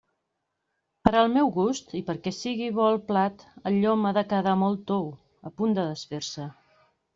Per al meu gust i perquè sigui bo el plat, el llom ha de quedar molt tou, a punt de desfer-se.